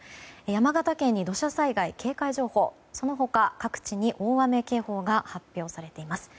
山形県に土砂災害警戒情報その他、各地に大雨警報が発表されています。